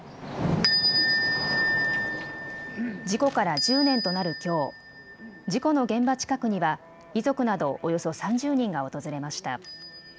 事故から１０年となるきょう、事故の現場近くには遺族などおよそ３０人が訪れました。